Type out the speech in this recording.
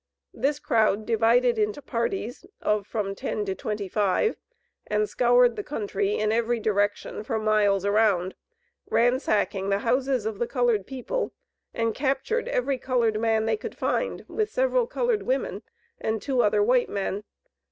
This crowd divided into parties, of from ten to twenty five, and scoured the country, in every direction, for miles around, ransacking the houses of the colored people, and captured every colored man they could find, with several colored women, and two other white men.